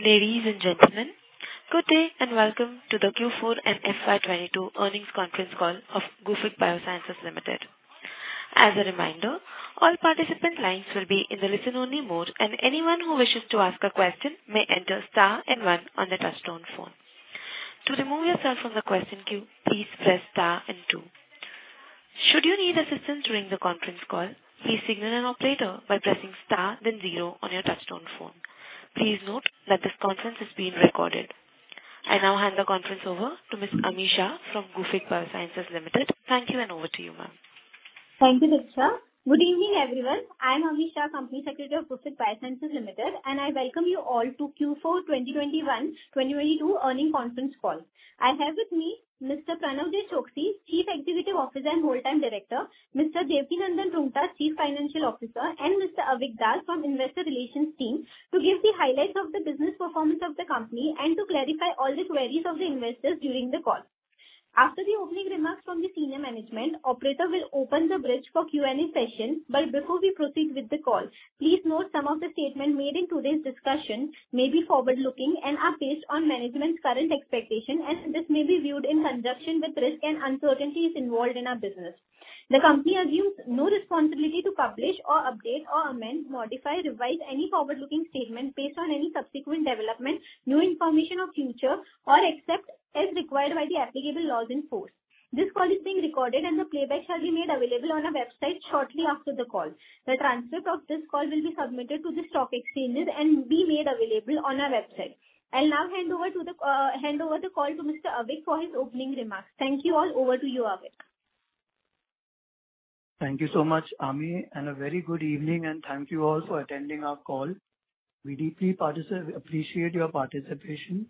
Ladies and gentlemen, good day and welcome to the Q4 and FY 2022 earnings conference call of Gufic Biosciences Limited. As a reminder, all participant lines will be in the listen-only mode, and anyone who wishes to ask a question may enter star and one on their touchtone phone. To remove yourself from the question queue, please press star and two. Should you need assistance during the conference call, please signal an operator by pressing Star, then 0 on your touchtone phone. Please note that this conference is being recorded. I now hand the conference over to Ms. Ami Shah from Gufic Biosciences Limited. Thank you and over to you, ma'am. Thank you, Diksha. Good evening, everyone. I am Ami Shah, Company Secretary of Gufic Biosciences Limited, and I welcome you all to Q4 2021-2022 earnings conference call. I have with me Mr. Pranav J. Choksi, Chief Executive Officer and Whole-time Director, Mr. Devkinandan Roonghta, Chief Financial Officer, and Mr. Avik Das from investor relations team to give the highlights of the business performance of the company and to clarify all the queries of the investors during the call. After the opening remarks from the senior management, operator will open the bridge for Q&A session. Before we proceed with the call, please note some of the statements made in today's discussion may be forward-looking and are based on management's current expectations. This may be viewed in conjunction with risks and uncertainties involved in our business. The company assumes no responsibility to publish or update or amend, modify, revise any forward-looking statement based on any subsequent development, new information or future, all except as required by the applicable laws in force. This call is being recorded and the playback shall be made available on our website shortly after the call. The transcript of this call will be submitted to the stock exchanges and be made available on our website. I'll now hand over the call to Mr. Avik for his opening remarks. Thank you all. Over to you, Avik. Thank you so much, Ami Shah, and a very good evening and thank you all for attending our call. We deeply appreciate your participation.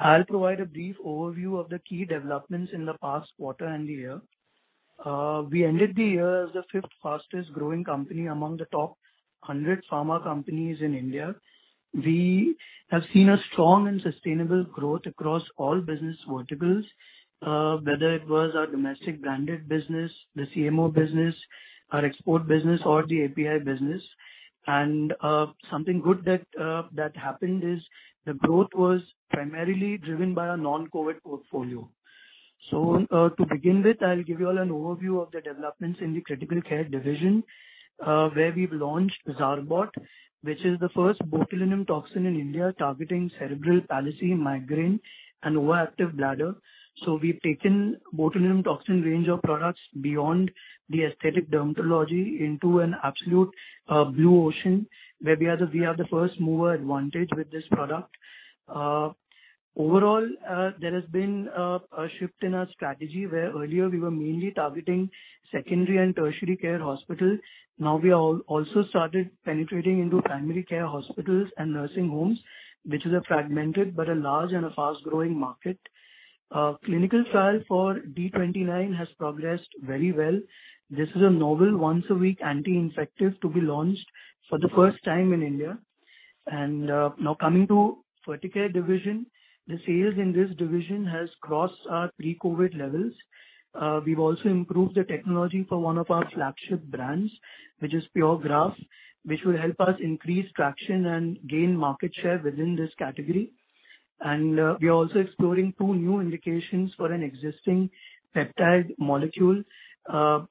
I'll provide a brief overview of the key developments in the past quarter and the year. We ended the year as the fifth fastest growing company among the top 100 pharma companies in India. We have seen a strong and sustainable growth across all business verticals, whether it was our domestic branded business, the CMO business, our export business or the API business. Something good that happened is the growth was primarily driven by our non-COVID portfolio. To begin with, I'll give you all an overview of the developments in the critical care division, where we've launched Zarbot, which is the first botulinum toxin in India targeting cerebral palsy, migraine and overactive bladder. We've taken botulinum toxin range of products beyond the aesthetic dermatology into an absolute blue ocean where we are the first-mover advantage with this product. Overall, there has been a shift in our strategy where earlier we were mainly targeting secondary and tertiary care hospitals. Now, we also started penetrating into primary care hospitals and nursing homes, which is a fragmented but a large and a fast-growing market. Clinical trial for D-29 has progressed very well. This is a novel once-a-week anti-infective to be launched for the first time in India. Now coming to Ferticare division. The sales in this division has crossed our pre-COVID levels. We've also improved the technology for one of our flagship brands, which is Puregraf, which will help us increase traction and gain market share within this category. We are also exploring two new indications for an existing peptide molecule,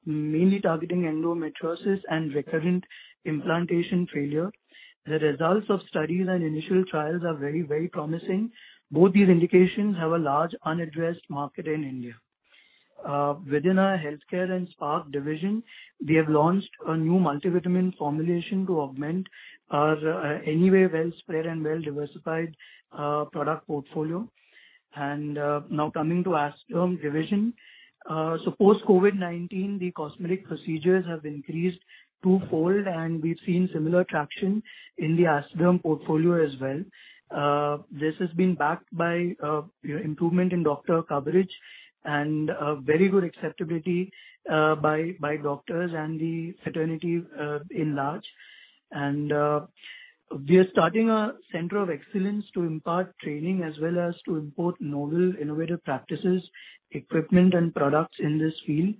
mainly targeting endometriosis and recurrent implantation failure. The results of studies and initial trials are very, very promising. Both these indications have a large unaddressed market in India. Within our healthcare and spa division, we have launched a new multivitamin formulation to augment our anyway well spread and well diversified product portfolio. Coming to Aesthaderm division. Post-COVID-19, the cosmetic procedures have increased twofold, and we've seen similar traction in the Aesthaderm portfolio as well. This has been backed by you know, improvement in doctor coverage and very good acceptability by doctors and the fraternity in large. We are starting a center of excellence to impart training as well as to import novel innovative practices, equipment, and products in this field,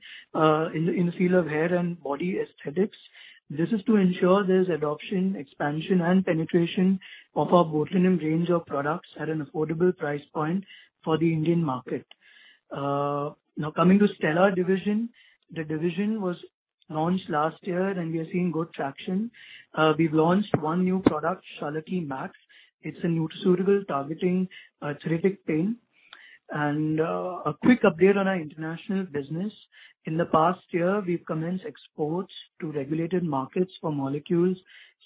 in the field of hair and body aesthetics. This is to ensure there's adoption, expansion and penetration of our botulinum range of products at an affordable price point for the Indian market. Now coming to Stellar division. The division was launched last year and we are seeing good traction. We've launched one new product, Sallaki Max. It's a nutraceutical targeting arthritic pain. A quick update on our international business. In the past year, we've commenced exports to regulated markets for molecules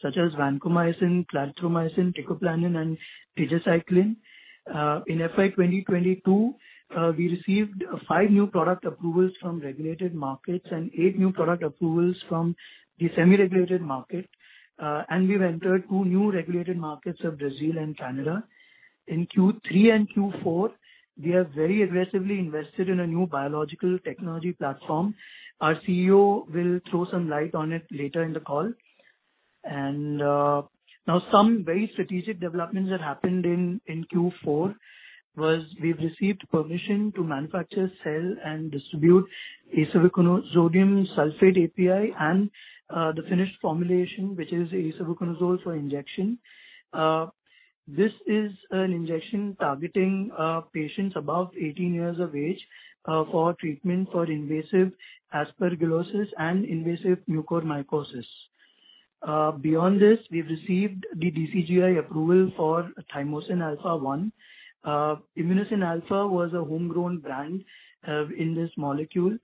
such as Vancomycin, Clindamycin, Teicoplanin, and Tigecycline. In FY 2022, we received five new product approvals from regulated markets and eight new product approvals from the semi-regulated market. We've entered two new regulated markets of Brazil and Canada. In Q3 and Q4, we have very aggressively invested in a new biological technology platform. Our CEO will throw some light on it later in the call. Now some very strategic developments that happened in Q4. We've received permission to manufacture, sell, and distribute Isavuconazonium sulfate API and the finished formulation, which is Isavuconazole for injection. This is an injection targeting patients above 18 years of age for treatment for invasive aspergillosis and invasive mucormycosis. Beyond this, we've received the DCGI approval for Thymosin alpha-1. Immunocin Alpha was a homegrown brand in this molecule,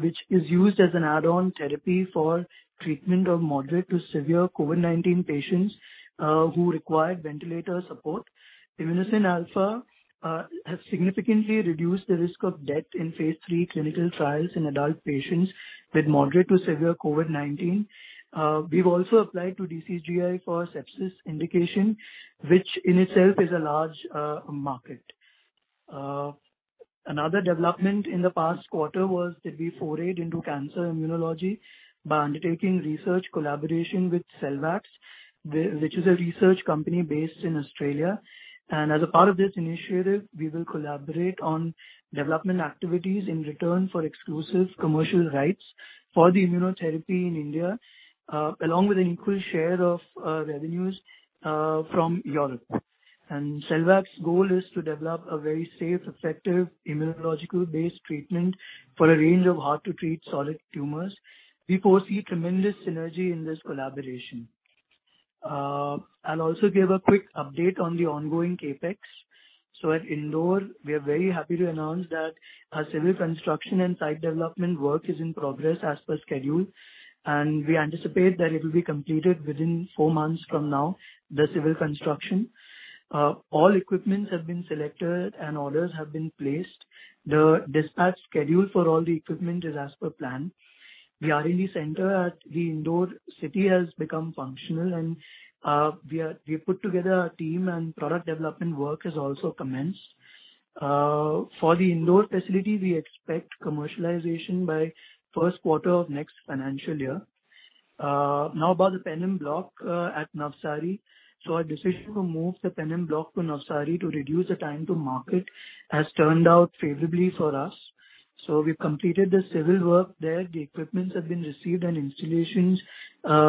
which is used as an add-on therapy for treatment of moderate to severe COVID-19 patients who require ventilator support. Immunocin α has significantly reduced the risk of death in phase three clinical trials in adult patients with moderate to severe COVID-19. We've also applied to DCGI for sepsis indication, which in itself is a large market. Another development in the past quarter was that we forayed into cancer immunology by undertaking research collaboration with Selvax, which is a research company based in Australia. As a part of this initiative, we will collaborate on development activities in return for exclusive commercial rights for the immunotherapy in India, along with an equal share of revenues from Europe. Selvax's goal is to develop a very safe, effective immunological base treatment for a range of hard to treat solid tumors. We foresee tremendous synergy in this collaboration. I'll also give a quick update on the ongoing CapEx. At Indore, we are very happy to announce that our civil construction and site development work is in progress as per schedule, and we anticipate that it will be completed within four months from now, the civil construction. All equipments have been selected and orders have been placed. The dispatch schedule for all the equipment is as per plan. The R&D center at the Indore city has become functional and we've put together a team and product development work has also commenced. For the Indore facility, we expect commercialization by first quarter of next financial year. Now about the Penem block at Navsari. Our decision to move the Penem block to Navsari to reduce the time to market has turned out favorably for us. We've completed the civil work there. The equipment has been received and installations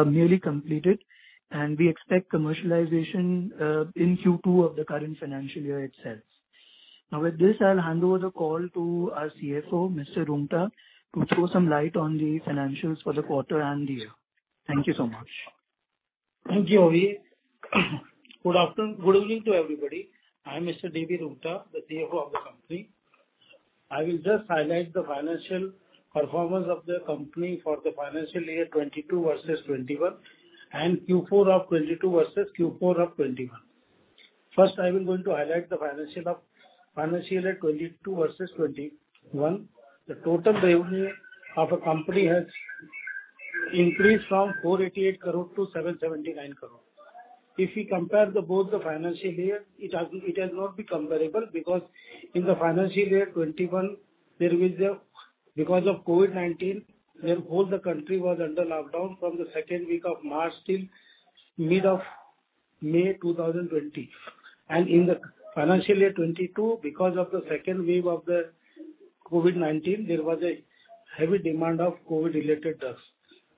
nearly completed, and we expect commercialization in Q2 of the current financial year itself. Now with this, I'll hand over the call to our CFO, Mr. Roonghta, to throw some light on the financials for the quarter and the year. Thank you so much. Thank you, Abhi. Good evening to everybody. I'm Mr. Devkinandan Roonghta, the CFO of the company. I will just highlight the financial performance of the company for the financial year 2022 versus 2021 and Q4 of 2022 versus Q4 of 2021. First, I will going to highlight the financial of financial year 2022 versus 2021. The total revenue of a company has increased from 488 crore to 779 crore. If we compare both the financial year, it has not been comparable because in the financial year 2021, Because of COVID-19, where the whole country was under lockdown from the second week of March till mid of May 2020. In the financial year 2022, because of the second wave of the COVID-19, there was a heavy demand of COVID-related drugs.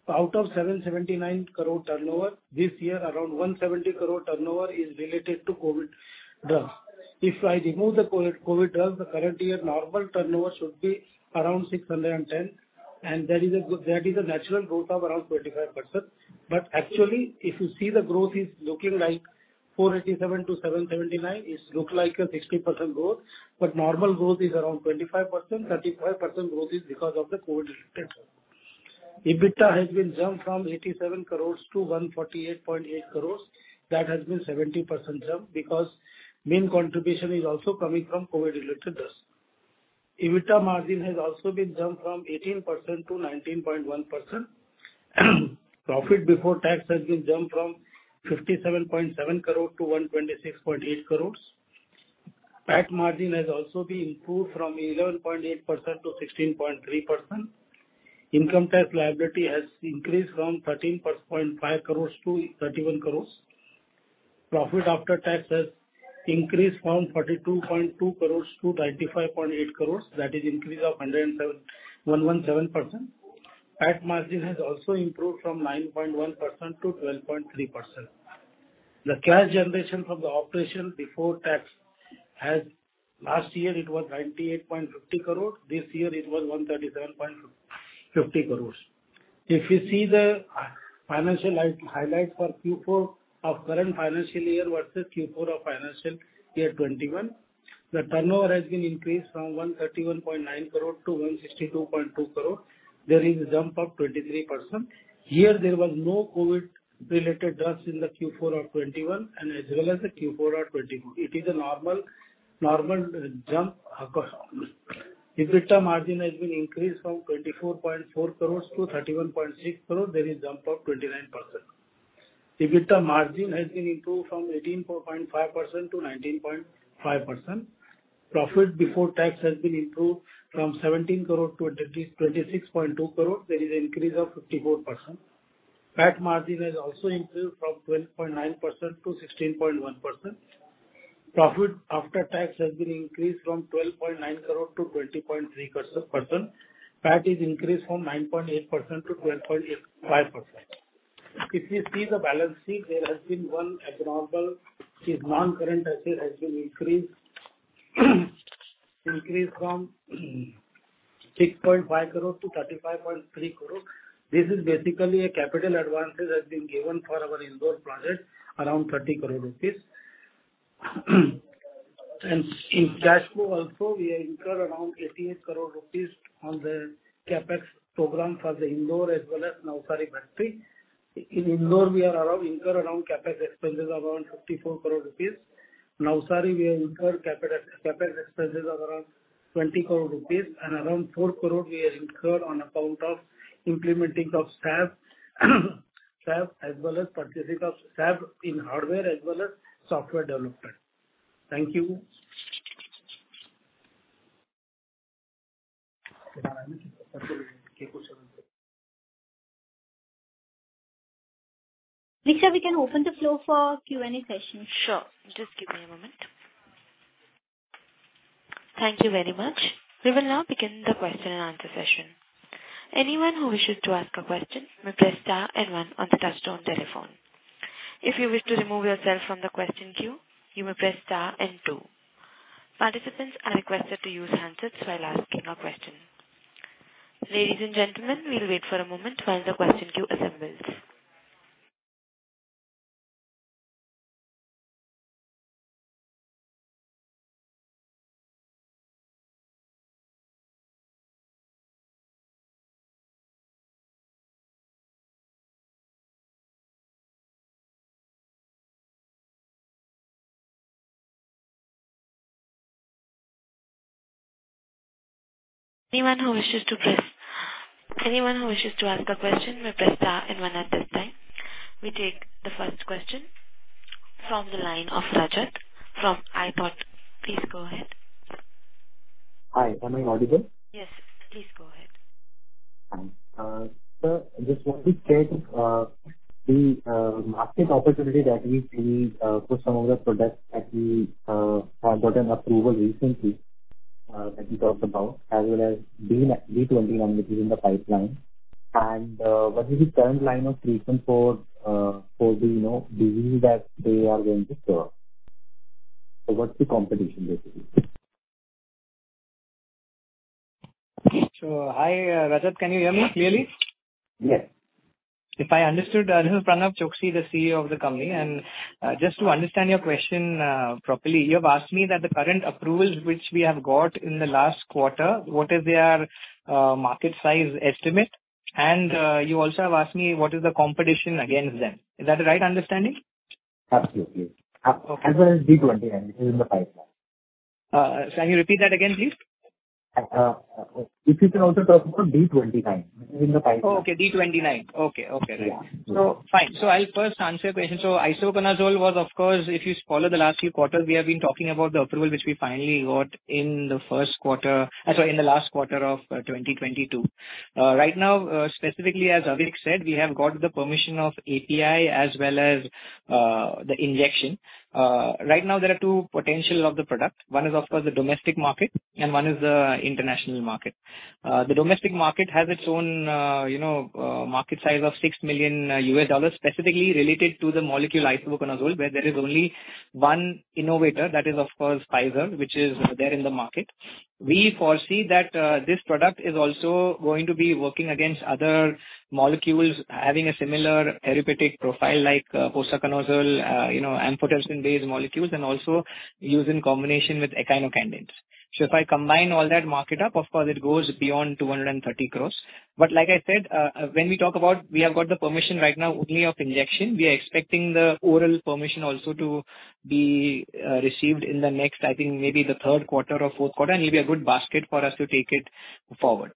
Out of 779 crore turnover, this year around 170 crore turnover is related to COVID drugs. If I remove the COVID drugs, the current year normal turnover should be around 610 crore, and there is a natural growth of around 25%. Actually, if you see the growth is looking like 487 crore to 779 crore, it look like a 60% growth, but normal growth is around 25%. 35% growth is because of the COVID-related growth. EBITDA has been jumped from 87 crore to 148.8 crore. That has been 70% jump because main contribution is also coming from COVID-related drugs. EBITDA margin has also been jumped from 18% to 19.1%. Profit before tax has been jumped from 57.7 crore to 126.8 crore. PAT margin has also been improved from 11.8% to 16.3%. Income tax liability has increased from 13.5 crore to 31 crore. Profit after tax has increased from 42.2 crore to 95.8 crore. That is increase of 117%. PAT margin has also improved from 9.1% to 12.3%. The cash generation from operations before tax. Last year it was 98.50 crore. This year it was 137.50 crore. If you see the financial highlights for Q4 of current financial year versus Q4 of financial year 2021, the turnover has been increased from 131.9 crore to 162.2 crore. There is a jump of 23%. Here, there was no COVID-related drugs in the Q4 of 2021 and as well as the Q4 of 2022. It is a normal jump across. EBITDA margin has been increased from 24.4 crores to 31.6 crore. There is jump of 29%. EBITDA margin has been improved from 18.5% to 19.5%. Profit before tax has been improved from 17 crore to at least 26.2 crore. There is increase of 54%. PAT margin has also improved from 12.9% to 16.1%. Profit after tax has been increased from 12.9 crore to 20.3 crore. PAT is increased from 9.8% to 12.85%. If you see the balance sheet, there has been one abnormal. This non-current asset has been increased from 6.5 crore to 35.3 crore. This is basically a capital advances that's been given for our Indore project around 30 crore rupees. In cash flow also we are incurred around 88 crore rupees on the CapEx program for the Indore as well as Navsari factory. In Indore, we incur around CapEx expenses around 54 crore rupees. Navsari we have incurred CapEx expenses of around 20 crore rupees and around 4 crore we have incurred on account of implementing of SAP as well as purchasing of SAP in hardware as well as software development. Thank you. Diksha, we can open the floor for Q&A session. Sure. Just give me a moment. Thank you very much. We will now begin the question and answer session. Anyone who wishes to ask a question may press star and one on the touchtone telephone. If you wish to remove yourself from the question queue, you may press star and two. Participants are requested to use handsets while asking a question. Ladies and gentlemen, we'll wait for a moment while the question queue assembles. Anyone who wishes to ask a question may press star and one at this time. We take the first question from the line of Rajat from iThoughtPMS. Please go ahead. Hi, am I audible? Yes, please go ahead. Sir, just what we said, the market opportunity that we see for some of the products that we have gotten approval recently, that we talked about as well as D-29, which is in the pipeline. What is the current line of treatment for the, you know, disease that they are going to cure? What's the competition basically? Hi, Rajat. Can you hear me clearly? Yes. If I understood. This is Pranav Choksi, the CEO of the company. Just to understand your question properly, you have asked me that the current approvals which we have got in the last quarter, what is their market size estimate? You also have asked me what is the competition against them. Is that the right understanding? Absolutely. Okay. As well as D-29, which is in the pipeline. Can you repeat that again, please? If you can also talk about D-29, which is in the pipeline. Okay. D-29. Okay. Right. Yes. Fine. I'll first answer your question. Isavuconazole was of course, if you follow the last few quarters, we have been talking about the approval, which we finally got in the last quarter of 2022. Right now, specifically, as Avik said, we have got the permission of API as well as the injection. Right now there are two potential of the product. One is of course the domestic market and one is the international market. The domestic market has its own, you know, market size of $6 million specifically related to the molecule Isavuconazole, where there is only one innovator that is of course Pfizer, which is there in the market. We foresee that this product is also going to be working against other molecules, having a similar therapeutic profile like voriconazole, you know, amphotericin-based molecules and also used in combination with echinocandins. If I combine all that market up, of course it goes beyond 230 crore. Like I said, when we talk about we have got the permission right now only of injection. We are expecting the oral permission also to be received in the next, I think maybe the third quarter or fourth quarter, and it'll be a good basket for us to take it forward.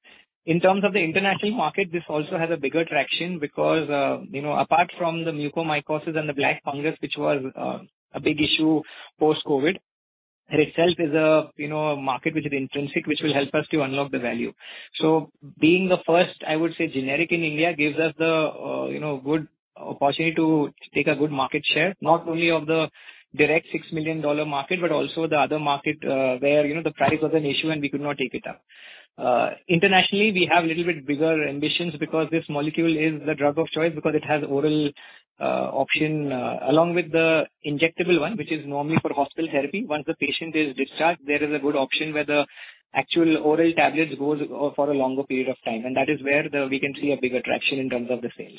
In terms of the international market, this also has bigger traction because, you know, apart from the mucormycosis and the black fungus, which was a big issue post-COVID, and itself is a, you know, a market which is intrinsic, which will help us to unlock the value. Being the first, I would say generic in India gives us the, you know, good opportunity to take a good market share, not only of the direct $6 million market, but also the other market, where, you know, the price was an issue and we could not take it up. Internationally, we have little bit bigger ambitions because this molecule is the drug of choice because it has oral option, along with the injectable one, which is normally for hospital therapy. Once the patient is discharged, there is a good option where the actual oral tablets goes for a longer period of time, and that is where we can see a bigger traction in terms of the sales.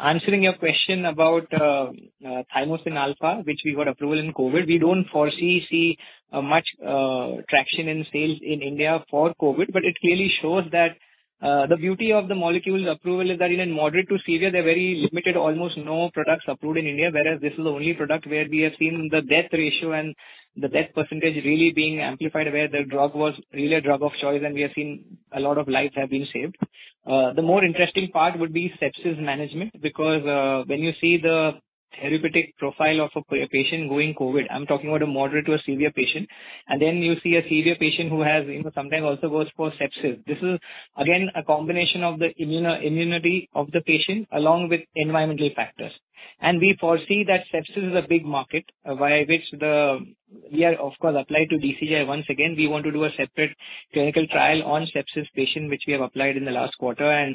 Answering your question about Thymosin alpha-1, which we got approval in COVID, we don't foresee much traction in sales in India for COVID, but it clearly shows that the beauty of the molecule's approval is that in moderate to severe, they're very limited, almost no products approved in India, whereas this is the only product where we have seen the death ratio and the death percentage really being amplified, where the drug was really a drug of choice and we have seen a lot of lives have been saved. The more interesting part would be sepsis management, because when you see the therapeutic profile of a patient with COVID. I'm talking about a moderate to severe patient. Then you see a severe patient who has, you know, sometimes also goes for sepsis. This is again a combination of the immunity of the patient along with environmental factors. We foresee that sepsis is a big market via which the. We are, of course, applied to DCGI once again. We want to do a separate clinical trial on sepsis patient, which we have applied in the last quarter.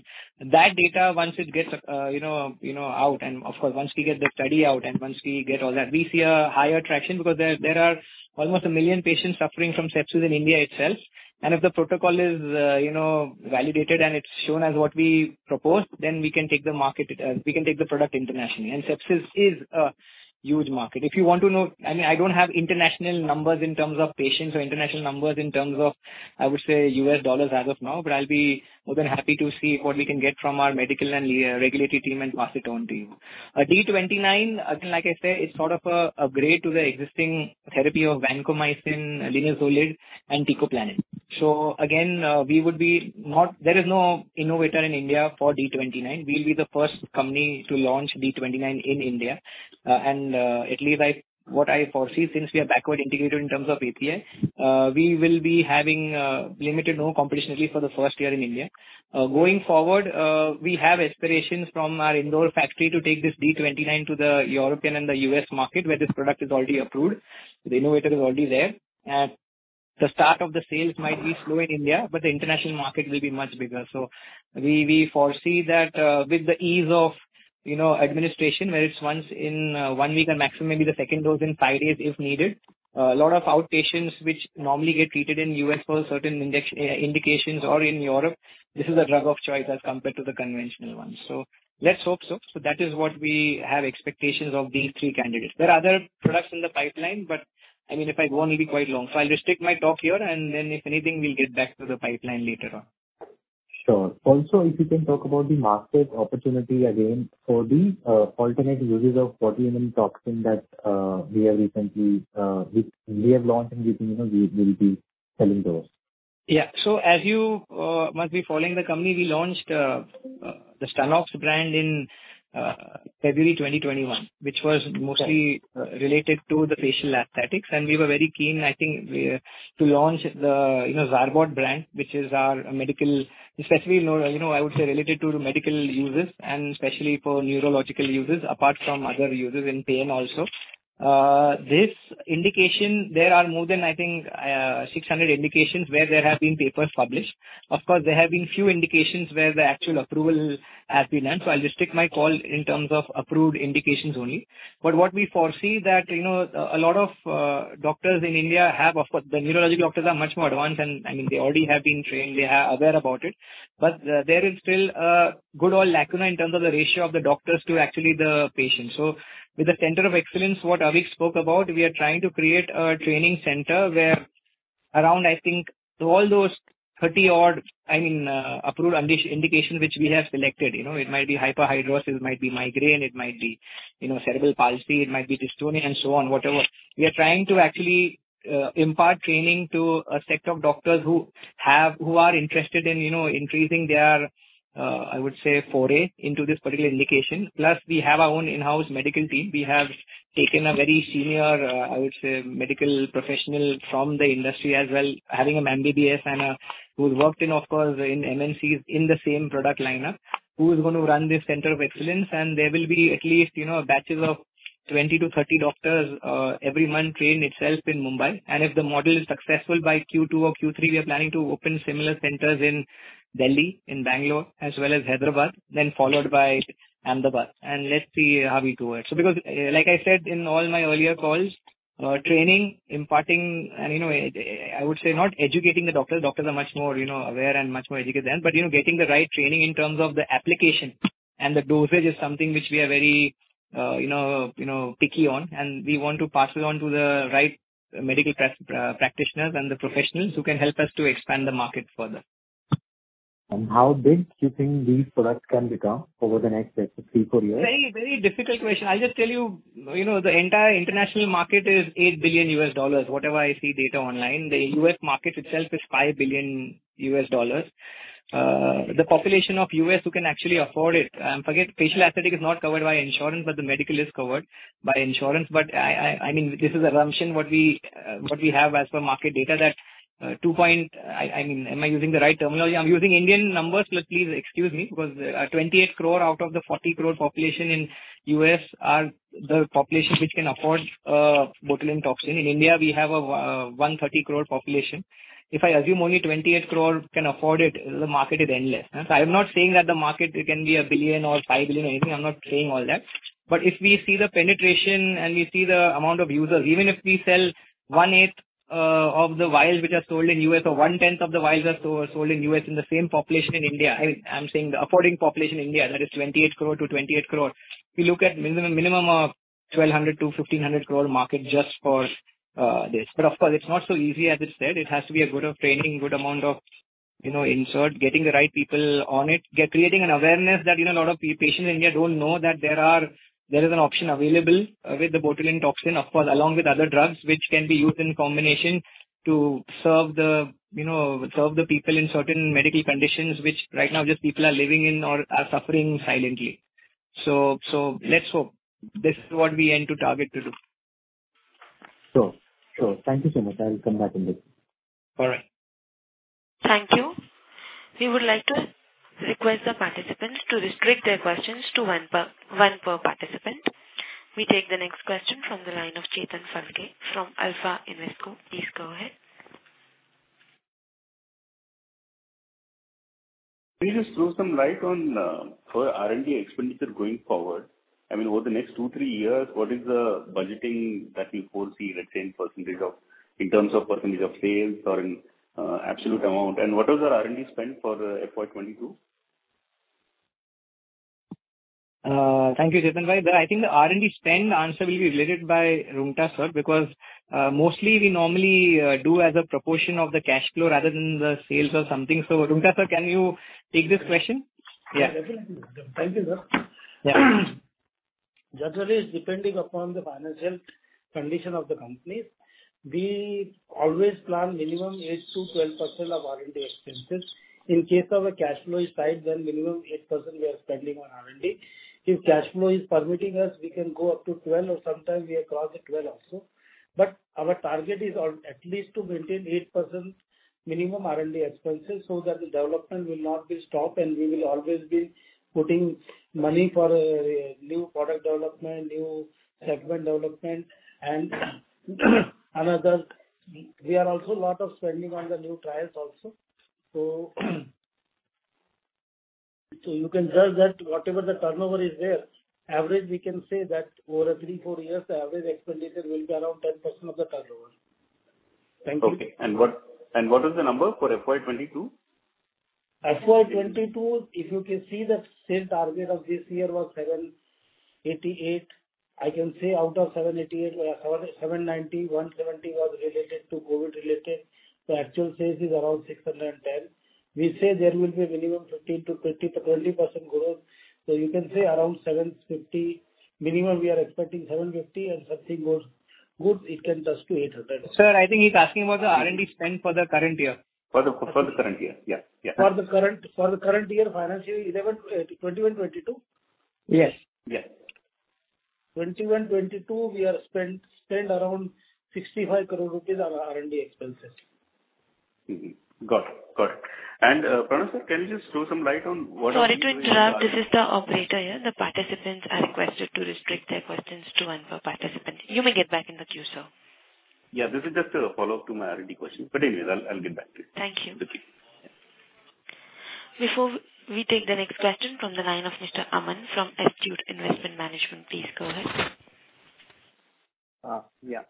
That data once it gets you know out and of course once we get the study out and once we get all that, we see higher traction because there are almost a million patients suffering from sepsis in India itself. If the protocol is, you know, validated and it's shown as what we propose, then we can take the market. We can take the product internationally. Sepsis is a huge market. If you want to know, I mean, I don't have international numbers in terms of patients or international numbers in terms of, I would say U.S. dollars as of now, but I'll be more than happy to see what we can get from our medical and regulatory team and pass it on to you. D-29, again, like I say, it's sort of an upgrade to the existing therapy of vancomycin, linezolid and teicoplanin. Again, there is no innovator in India for D-29. We'll be the first company to launch D-29 in India. What I foresee since we are backward integrated in terms of API, we will be having limited no competition at least for the first year in India. Going forward, we have aspirations from our Indore factory to take this D-29 to the European and the U.S. market, where this product is already approved. The innovator is already there. The start of the sales might be slow in India, but the international market will be much bigger. We foresee that, with the ease of, you know, administration, where it's once in one week and maximum maybe the second dose in five days if needed. A lot of outpatients which normally get treated in U.S. for certain index indications or in Europe, this is a drug of choice as compared to the conventional ones. Let's hope so. That is what we have expectations of these three candidates. There are other products in the pipeline, but I mean, if I go on, it'll be quite long. I'll just take my talk here and then if anything, we'll get back to the pipeline later on. Sure. Also, if you can talk about the market opportunity again for these alternate uses of botulinum toxin that we have recently launched and which, you know, we will be selling those. Yeah. As you must be following the company, we launched the Stunox brand in February 2021, which was mostly. Okay. Related to the facial aesthetics, and we were very keen I think to launch the, you know, Zarbot brand. Especially no, you know, I would say related to medical uses and especially for neurological uses apart from other uses in pain also. This indication, there are more than, I think, 600 indications where there have been papers published. Of course, there have been few indications where the actual approval has been done. I'll just take my call in terms of approved indications only. What we foresee that, you know, a lot of doctors in India have of course. The neurology doctors are much more advanced, and I mean, they already have been trained. They are aware about it. There is still a good old lacuna in terms of the ratio of the doctors to actually the patients. With the center of excellence, what Avik spoke about, we are trying to create a training center where around I think to all those 30-odd, I mean, approved indications which we have selected. You know, it might be hyperhidrosis, it might be migraine, it might be, you know, cerebral palsy, it might be dystonia and so on, whatever. We are trying to actually impart training to a set of doctors who are interested in, you know, increasing their, I would say, foray into this particular indication. Plus, we have our own in-house medical team. We have taken a very senior, I would say, medical professional from the industry as well, having an MBBS and, who's worked in, of course, in MNCs in the same product lineup, who is gonna run this center of excellence. There will be at least, you know, batches of 20-30 doctors, every month trained itself in Mumbai. If the model is successful by Q2 or Q3, we are planning to open similar centers in Delhi, in Bangalore, as well as Hyderabad, then followed by Ahmedabad. Let's see how we do it. Because, like I said in all my earlier calls, training, imparting and, you know, I would say not educating the doctors. Doctors are much more, you know, aware and much more educated than. You know, getting the right training in terms of the application and the dosage is something which we are very, you know, picky on, and we want to pass it on to the right medical practitioners and the professionals who can help us to expand the market further. How big do you think these products can become over the next, let's say, three to four years? Very, very difficult question. I'll just tell you know, the entire international market is $8 billion. Whatever I see data online, the U.S. market itself is $5 billion. The population of U.S. who can actually afford it, forget facial aesthetic is not covered by insurance, but the medical is covered by insurance. I mean, this is assumption what we have as per market data that I mean, am I using the right terminology? I'm using Indian numbers, but please excuse me because 28 crore out of the 40 crore population in U.S. are the population which can afford botulinum toxin. In India, we have a 130 crore population. If I assume only 28 crore can afford it, the market is endless. I'm not saying that the market it can be 1 billion or 5 billion or anything. I'm not saying all that. If we see the penetration and we see the amount of users, even if we sell one-eighth of the vials which are sold in U.S. or one-tenth of the vials are sold in U.S. in the same population in India. I'm saying the affording population in India, that is 28 crore to 28 crore. We look at minimum of 1,200 crore-1,500 crore market just for this. Of course, it's not so easy as it sounds. It has to be a good amount of training, good amount of, you know, expertise, getting the right people on it. Creating an awareness that, you know, a lot of patients in India don't know that there are. There is an option available with the botulinum toxin, of course, along with other drugs which can be used in combination to serve the, you know, people in certain medical conditions which right now just people are living in or are suffering silently. Let's hope. This is what we aim to target to do. Sure, sure. Thank you so much. I will come back in this. All right. Thank you. We would like to request the participants to restrict their questions to one per participant. We take the next question from the line of Chetan Phalke from Alpha Invesco. Please go ahead. Can you just throw some light on for R&D expenditure going forward, I mean, over the next two, three years, what is the budgeting that you foresee, let's say, in terms of percentage of sales or in absolute amount? What was the R&D spend for FY 2022? Thank you, Chetan. Well, I think the R&D spend answer will be related by Roonghta, sir, because mostly we normally do as a proportion of the cash flow rather than the sales or something. Roonghta, sir, can you take this question? Yeah. Yeah, definitely. Thank you, sir. Generally, it's depending upon the financial condition of the company. We always plan minimum 8%-12% of R&D expenses. In case of a cash flow is tight, then minimum 8% we are spending on R&D. If cash flow is permitting us, we can go up to 12, or sometimes we have crossed the 12 also. Our target is on at least to maintain 8% minimum R&D expenses so that the development will not be stopped and we will always be putting money for new product development, new segment development. We are also lot of spending on the new trials also. You can judge that whatever the turnover is there, average we can say that over three, four years, the average expenditure will be around 10% of the turnover. Thank you. Okay. What is the number for FY 2022? FY 2022, if you can see the sales target of this year was 788 crore. I can say out of 788 crore, 170 crore was related to COVID-related. The actual sales is around 610 crore. We say there will be a minimum 15%-20% growth. You can say around 750 crore. Minimum we are expecting 750 crore, and something more good it can touch to 800 crore. Sir, I think he's asking about the R&D spend for the current year. For the current year. Yeah. For the current financial year 2021-22? Yes. Yes. 2021-2022, we have spent around 65 crore rupees on R&D expenses. Mm-hmm. Got it. Pranav sir, can you just throw some light on what are the? Sorry to interrupt. This is the operator here. The participants are requested to restrict their questions to one per participant. You may get back in the queue, sir. Yeah. This is just a follow-up to my R&D question. Anyway, I'll get back to you. Thank you. Okay. Before we take the next question from the line of Mr. Aman from Astute Investment Management, please go ahead. Yeah.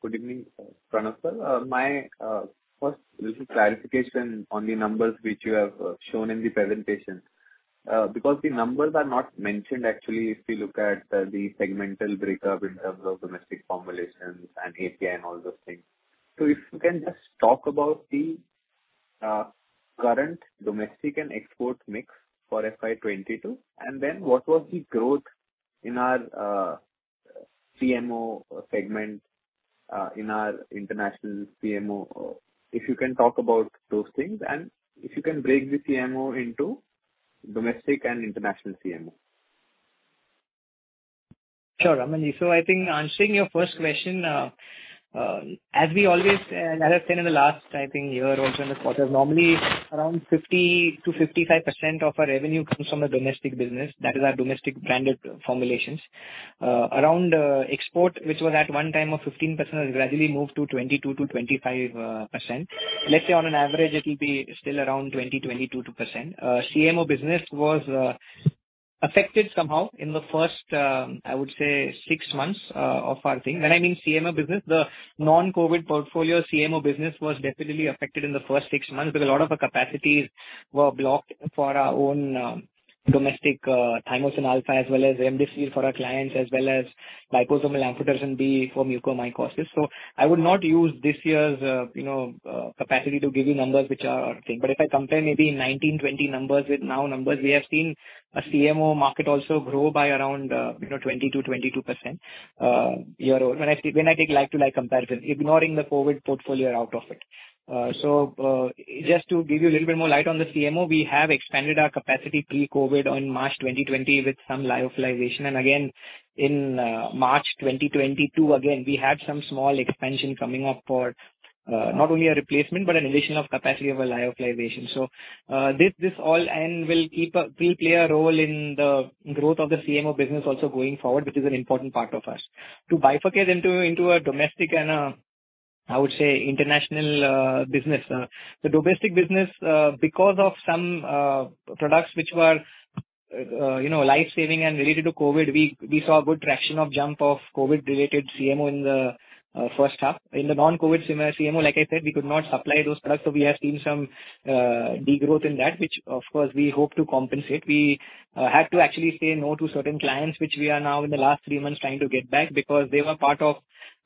Good evening, Pranav sir. First, this is clarification on the numbers which you have shown in the presentation. Because the numbers are not mentioned actually if you look at the segmental breakup in terms of domestic formulations and API and all those things. If you can just talk about the current domestic and export mix for FY 2022, and then what was the growth in our CMO segment in our international CMO. If you can talk about those things, and if you can break the CMO into domestic and international CMO. Sure, Aman. I think answering your first question, as we always and I have said in the last, I think year also in the quarter, normally around 50%-55% of our revenue comes from the domestic business. That is our domestic branded formulations. Around export, which was at one time of 15%, has gradually moved to 22%-25%. Let's say on an average it will be still around 20%-22%. CMO business was affected somehow in the first, I would say six months, of our thing. When I mean CMO business, the non-COVID portfolio CMO business was definitely affected in the first six months because a lot of our capacities were blocked for our own domestic Thymosin alpha-1, as well as MDC for our clients, as well as liposomal amphotericin B for mucormycosis. I would not use this year's capacity to give you numbers which are. If I compare maybe 2019-2020 numbers with now numbers, we have seen a CMO market also grow by around 20%-22% year over. When I take like-to-like comparison, ignoring the COVID portfolio out of it. Just to give you a little bit more light on the CMO, we have expanded our capacity pre-COVID on March 2020 with some lyophilization. Again, in March 2022, we had some small expansion coming up for not only a replacement, but an addition of capacity of a lyophilization. This will play a role in the growth of the CMO business also going forward, which is an important part of us. To bifurcate into a domestic and a, I would say, international business. The domestic business, because of some products which were, you know, life-saving and related to COVID, we saw a good traction of jump of COVID-related CMO in the first half. In the non-COVID CMO, like I said, we could not supply those products, so we have seen some degrowth in that, which of course, we hope to compensate. We had to actually say no to certain clients, which we are now in the last three months trying to get back because they were part of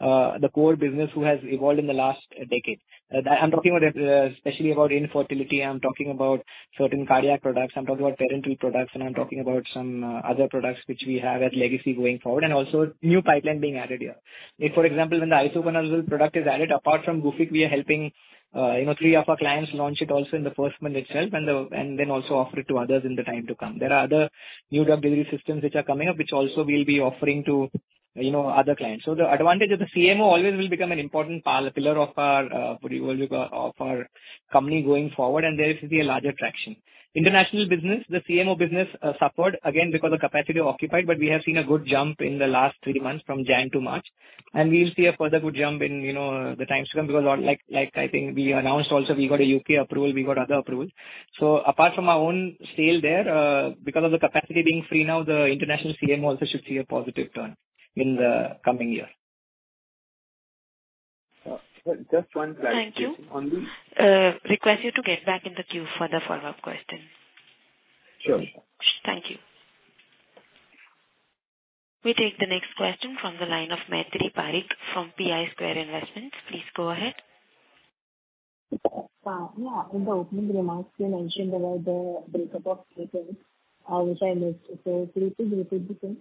the core business who has evolved in the last decade. I'm talking about especially about infertility, I'm talking about certain cardiac products, I'm talking about parenteral products, and I'm talking about some other products which we have as legacy going forward, and also new pipeline being added here. Like for example, when the Isavuconazole product is added, apart from Gufic, we are helping you know, three of our clients launch it also in the first month itself and then also offer it to others in the time to come. There are other new drug delivery systems which are coming up, which also we'll be offering to you know, other clients. The advantage of the CMO always will become an important pillar of our portfolio of our company going forward, and there you see a larger traction. International business, the CMO business, suffered again because the capacity occupied, but we have seen a good jump in the last three months from January to March. We'll see a further good jump in, you know, the times to come because like I think we announced also we got a U.K. approval, we got other approval. Apart from our own sale there, because of the capacity being free now, the international CMO also should see a positive turn in the coming year. Just one clarification on the- Thank you. Request you to get back in the queue for the follow-up question. Sure. Thank you. We take the next question from the line of Maitri Parekh from Pi Square Investments. Please go ahead. Yeah. In the opening remarks, you mentioned about the breakup of CapEx, which I missed. Could you please repeat the same?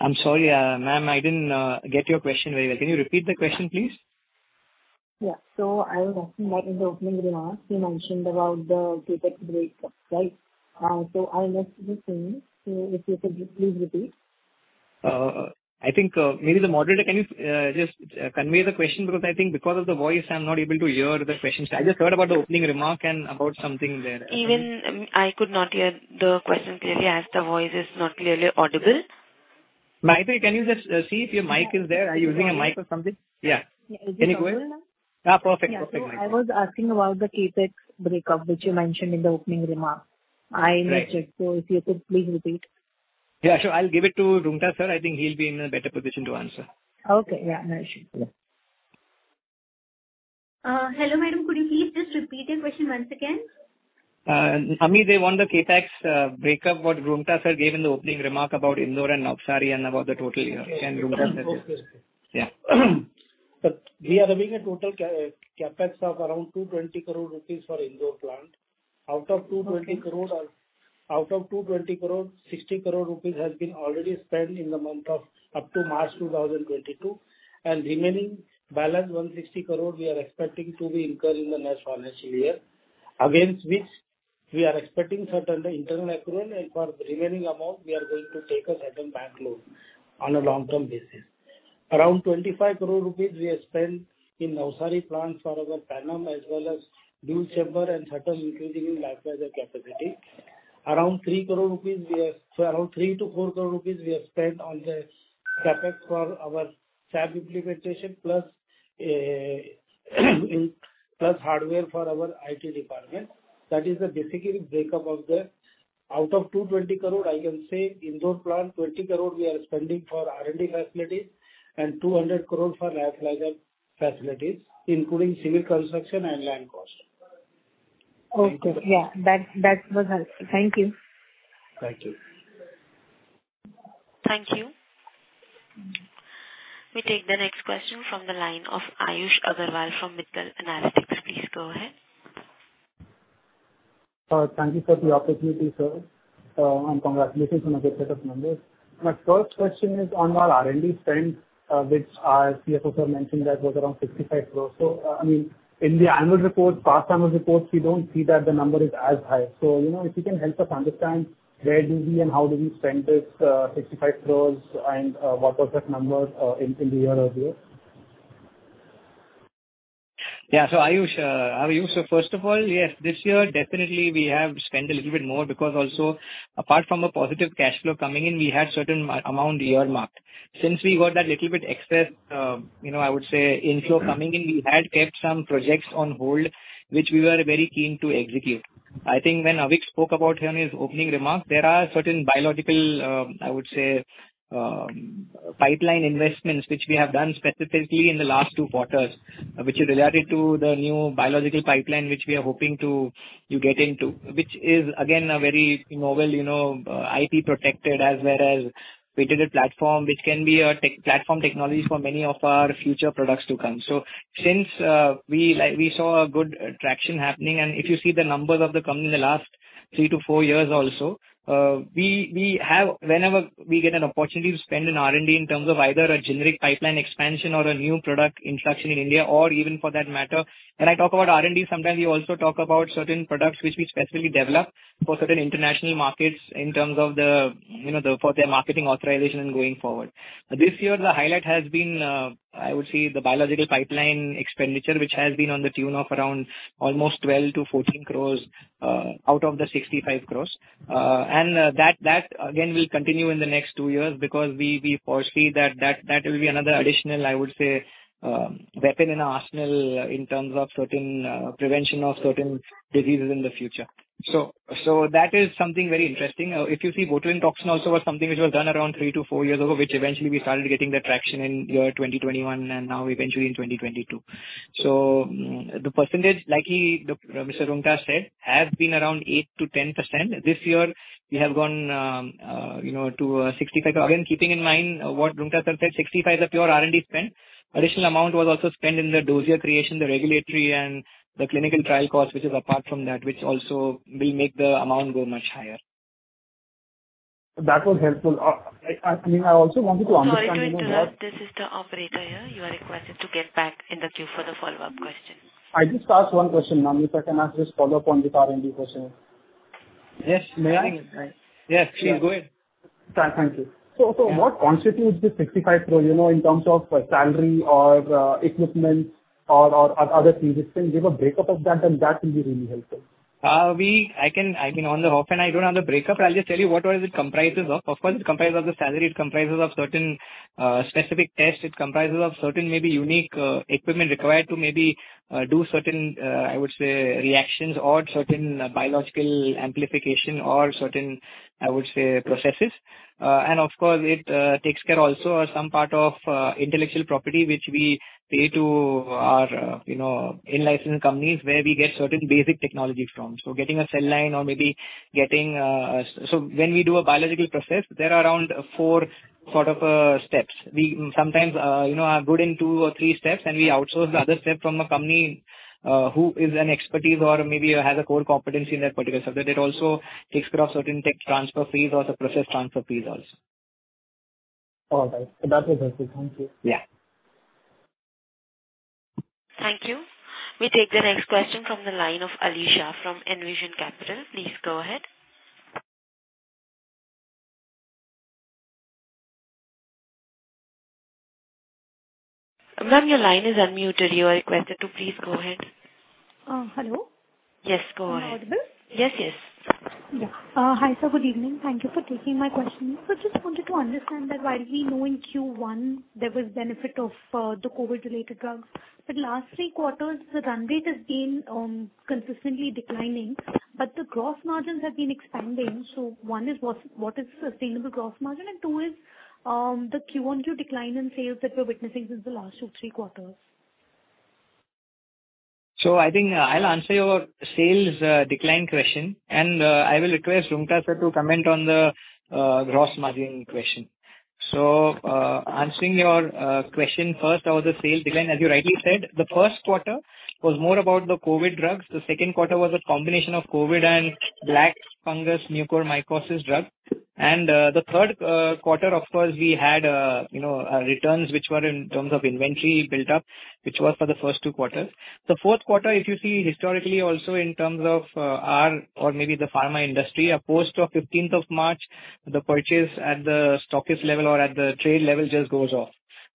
I'm sorry, ma'am, I didn't get your question very well. Can you repeat the question, please? Yeah. I was asking that in the opening remarks, you mentioned about the CapEx breakup, right? I missed the same. If you could please repeat. I think maybe the moderator can just convey the question because of the voice. I'm not able to hear the questions. I just heard about the opening remark and about something there. Even I could not hear the question clearly as the voice is not clearly audible. Maitri, can you just see if your mic is there? Are you using a mic or something? Yeah. Is it audible now? Yeah, perfect. Perfect, ma'am. Yeah. I was asking about the CapEx breakup, which you mentioned in the opening remark. Right. I missed it, so if you could please repeat. Yeah, sure. I'll give it to Roonghta sir. I think he'll be in a better position to answer. Okay. Yeah. No issue. Yeah. Hello, Madam. Could you please just repeat your question once again? Ami Shah, they want the CapEx breakup what Devkinandan Roonghta sir gave in the opening remark about Indore and Navsari and about the total here. Can Devkinandan Roonghta- Okay. No, no issue. Yeah. We are having a total CapEx of around 220 crore rupees for Indore plant. Out of 220 crore, 60 crore rupees has been already spent up to March 2022, and remaining balance 160 crore we are expecting to be incurred in the next financial year, against which we are expecting certain internal accrual, and for the remaining amount, we are going to take a certain bank loan on a long-term basis. Around 25 crore rupees we have spent in Navsari plant for our Penem as well as dual chamber and certain increase in lyophilizer capacity. Around 3 crore-4 crore rupees we have spent on the CapEx for our SAP implementation, plus hardware for our IT department. That is basically the breakup of the. Out of 220 crore, I can say Indore plant, 20 crore we are spending for R&D facilities and 200 crore for lyophilizer facilities, including civil construction and land cost. Okay. Yeah. That was helpful. Thank you. Thank you. Thank you. We take the next question from the line of Ayush Agarwal from Mittal Analytics. Please go ahead. Thank you for the opportunity, sir, and congratulations on the CapEx numbers. My first question is on your R&D spend, which our CFO sir mentioned that was around 65 crore. I mean, in the annual report, past annual reports, we don't see that the number is as high. You know, if you can help us understand where do we and how do we spend this 65 crore and what was that number in the year earlier? Yeah. Ayush, first of all, yes, this year definitely we have spent a little bit more because also apart from the positive cash flow coming in, we had certain amount earmarked. Since we got that little bit excess, you know, I would say inflow coming in, we had kept some projects on hold, which we were very keen to execute. I think when Avik spoke about in his opening remarks, there are certain biological, I would say, pipeline investments which we have done specifically in the last two quarters, which is related to the new biological pipeline which we are hoping to get into, which is again a very, you know, well, you know, IP protected as well as patented platform, which can be a tech platform technologies for many of our future products to come. Since we saw a good traction happening, and if you see the numbers of the company in the last three to four years also, we have whenever we get an opportunity to spend in R&D in terms of either a generic pipeline expansion or a new product introduction in India or even for that matter. When I talk about R&D, sometimes we also talk about certain products which we specifically develop for certain international markets in terms of the, you know, the, for their marketing authorization and going forward. This year the highlight has been, I would say the biological pipeline expenditure, which has been to the tune of around almost 12 crores-14 crores, out of the 65 crores. That again will continue in the next two years because we foresee that will be another additional, I would say, weapon in our arsenal in terms of certain prevention of certain diseases in the future. That is something very interesting. If you see botulinum toxin also was something which was done around three to four years ago, which eventually we started getting the traction in year 2021 and now eventually in 2022. The percentage, like he, Mr. Roonghta said, has been around 8%-10%. This year we have gone to 65 crore. Again, keeping in mind what Roonghta sir said, 65 crore is a pure R&D spend. Additional amount was also spent in the dossier creation, the regulatory and the clinical trial cost, which is apart from that, which also will make the amount go much higher. That was helpful. I mean, I also wanted to understand even more. Sorry to interrupt. This is the operator here. You are requested to get back in the queue for the follow-up question. I just asked one question, ma'am. If I can ask just follow-up on the R&D question. Yes May I? Yes, please go ahead. Thank you. What constitutes the INR 65 crore, you know, in terms of salary or equipment or other things. If you can give a break up of that, then that will be really helpful. I can, I mean, offhand I don't have the breakdown. I'll just tell you what all it comprises of. Of course, it comprises of the salary, it comprises of certain specific tests, it comprises of certain maybe unique equipment required to maybe do certain I would say reactions or certain biological amplification or certain I would say processes. Of course, it takes care also of some part of intellectual property which we pay to our, you know, in-licensed companies where we get certain basic technologies from. When we do a biological process, there are around four sort of steps. We sometimes, you know, are good in two or three steps and we outsource the other step from a company, who is an expertise or maybe has a core competency in that particular subject. It also takes care of certain tech transfer fees or the process transfer fees also. All right. That's it, thank you. Yeah. Thank you. We take the next question from the line of Alisha from Envision Capital. Please go ahead. Ma'am, your line is unmuted. You are requested to please go ahead. Hello. Yes, go ahead. Am I audible? Yes, yes. Yeah. Hi, sir. Good evening. Thank you for taking my question. Just wanted to understand that while we know in Q1 there was benefit of the COVID-related drugs, but last three quarters the run rate has been consistently declining, but the gross margins have been expanding. One is what is sustainable gross margin? And two is the QoQ decline in sales that we're witnessing since the last two, three quarters. I think I'll answer your sales decline question, and I will request Roonghta sir to comment on the gross margin question. Answering your question first about the sales decline, as you rightly said, the first quarter was more about the COVID drugs. The second quarter was a combination of COVID and black fungus mucormycosis drug. The third quarter, of course, we had you know returns which were in terms of inventory built up, which was for the first two quarters. The fourth quarter, if you see historically also in terms of our or maybe the pharma industry, post the 15th March, the purchase at the stockist level or at the trade level just goes off.